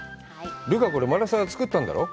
留伽、これマラサダ作ったんだろう？